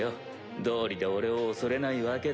どうりで俺を恐れないわけだ。